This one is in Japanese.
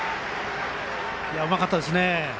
うまかったですね。